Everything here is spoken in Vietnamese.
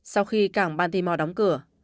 sau khi cảng baltimore đóng cửa